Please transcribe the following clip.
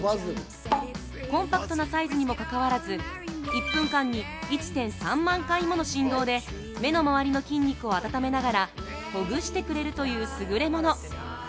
コンパクトなサイズにもかかわらず１分間に１．３万回もの振動で目の周りの筋肉を温めながらほぐしてくれるという優れもの。